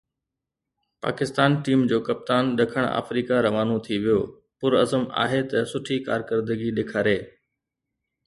Pakistan team جو ڪپتان ڏکڻ آفريڪا روانو ٿي ويو، پرعزم آهي ته سٺي ڪارڪردگي ڏيکاري